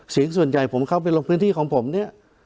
เสียงส่วนใหญ่ผมเข้าไปลงพื้นที่ของผมเนี่ย